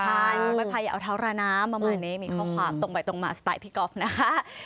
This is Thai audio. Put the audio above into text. ใช่ไม่ผ่านอย่าเอาเท้าร้าน้ำมีข้อความตรงไปตรงมาสไตล์พี่ก๊อฟนะคะ